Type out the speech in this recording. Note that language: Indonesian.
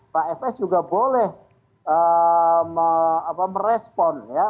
pak fs juga boleh merespon ya